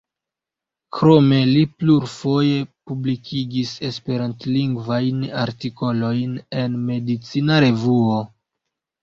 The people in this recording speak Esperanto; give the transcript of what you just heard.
Krome li plurfoje publikigis esperantlingvajn artikolojn en Medicina Revuo.